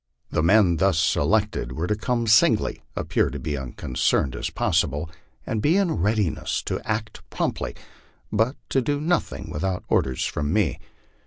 The men thus selected were to come singly, appear as unconcerned as possible, and be in readiness to act promptly, but to do nothing without orders from me.